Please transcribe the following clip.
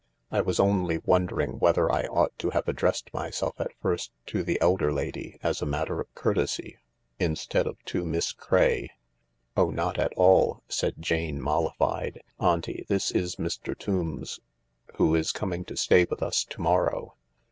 I was only wondering whether I ought to have addressed myself at first to the elder lady— as a matter of courtesy — instead of to Miss Craye." "Oh, not at all," said Jane, mollified. "Auntie, this is Mr. Tombs, who is coming to stay with us to morrow."